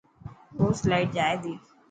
روز لائٽ جائي تي.